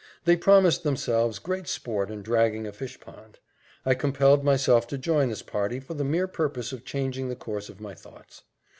They promised themselves great sport in dragging a fish pond. I compelled myself to join this party for the mere purpose of changing the course of my thoughts.